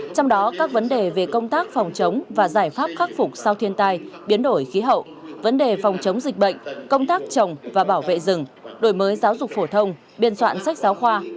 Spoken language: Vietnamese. trong đó các vấn đề về công tác phòng chống và giải pháp khắc phục sau thiên tai biến đổi khí hậu vấn đề phòng chống dịch bệnh công tác trồng và bảo vệ rừng đổi mới giáo dục phổ thông biên soạn sách giáo khoa